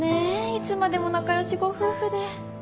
いつまでも仲良しご夫婦で。